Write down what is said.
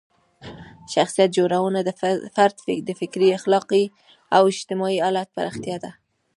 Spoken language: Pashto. شخصیت جوړونه د فرد د فکري، اخلاقي او اجتماعي حالت پراختیا ده.